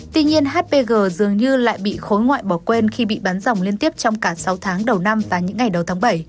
tuy nhiên hpg dường như lại bị khối ngoại bỏ quên khi bị bắn dòng liên tiếp trong cả sáu tháng đầu năm và những ngày đầu tháng bảy